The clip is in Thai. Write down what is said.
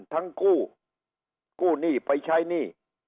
กู้กู้หนี้ไปใช้หนี้